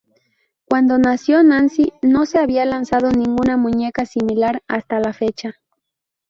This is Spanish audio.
Cuando nació Nancy, no se había lanzado ninguna muñeca similar hasta la fecha.